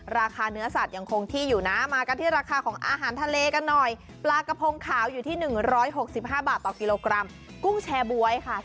ราคาเนื้อสัตว์ยังคงที่อยู่นะมากันที่ราคาของอาหารทะเลกันหน่อยปลากระพงขาวอยู่ที่๑๖๕บาทต่อกิโลกรัมกุ้งแชร์บ๊วยค่ะ